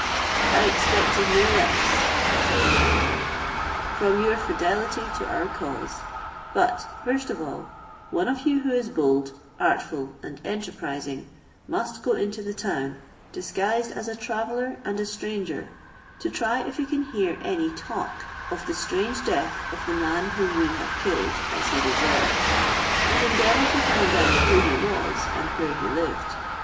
"I expected no less," said the captain, "from your fidelity to our cause: but, first of all, one of you who is bold, artful, and enterprising, must go into the town, disguised as a traveller and a stranger, to try if he can hear any talk of the strange death of the man whom we have killed, as he deserved; and endeavour to find out who he was, and where he lived.